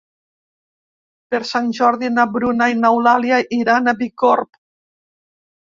Per Sant Jordi na Bruna i n'Eulàlia iran a Bicorb.